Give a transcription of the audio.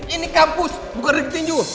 ini kampus bukan regi tinjau